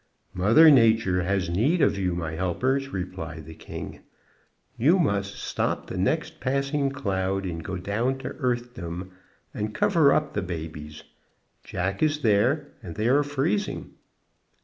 "Mother Nature has need of you, my helpers," replied the king. "You must, stop the next passing cloud, and go down to Earthdom, and cover up the babies. Jack is there, and they are freezing."